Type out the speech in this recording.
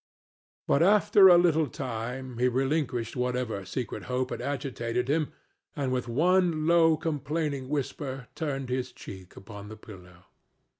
But after a little time he relinquished whatever secret hope had agitated him and with one low complaining whisper turned his cheek upon the pillow.